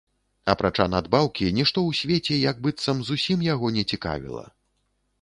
Апрача надбаўкі, нішто ў свеце, як быццам, зусім яго не цікавіла.